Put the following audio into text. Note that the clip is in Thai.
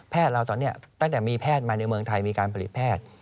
เราตอนนี้ตั้งแต่มีแพทย์มาในเมืองไทยมีการผลิตแพทย์